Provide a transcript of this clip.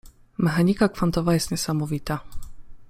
Mechanika kwantowa jest niesamowita.